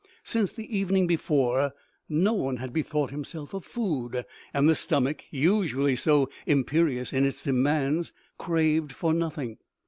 Since the evening before, no one had bethought himself of food, and the stomach, usually so imperious in its demands, craved for nothing.